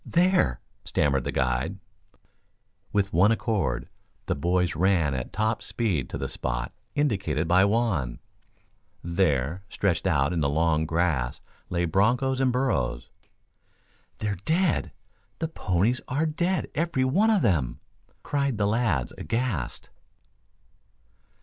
There!" stammered the guide. With one accord the boys ran at top speed to the spot indicated by Juan. There, stretched out in the long grass lay bronchos and burros. "They're dead, the ponies are dead, every one of them!" cried the lads aghast.